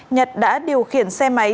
nhật đã điều khiển xe máy